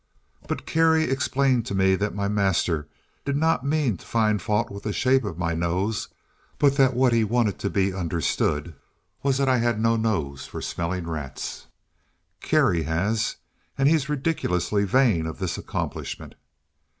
But Kerry explained to me that my master did not mean to find fault with the shape of my nose, but that what he wanted to be understood was that I had no nose for smelling rats. Kerry has, and he is ridiculously vain of this accomplishment.